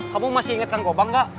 kamu masih inget kang gobang gak